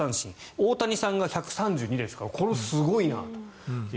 大谷さんが１３２ですからこれすごいなと。